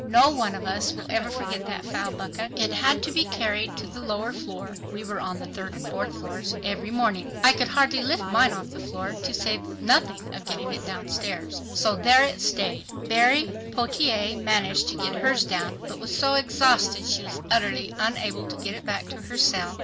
No one of us will ever forget that foul bucket. It had to be carried to the lower floor—we were on the third and fourth floors—every morning. I could hardly lift mine off the floor, to say nothing of getting it down stairs (Miss Morey weighs 98 pounds), so there it stayed. Berry Pottier managed to get hers down, but was so exhausted she was utterly unable to get it back to her cell.